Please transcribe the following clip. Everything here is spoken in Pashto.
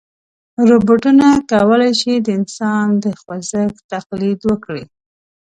روبوټونه کولی شي د انسان د خوځښت تقلید وکړي.